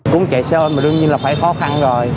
cũng chạy xe mà đương nhiên là phải khó khăn rồi